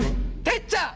てっちゃん？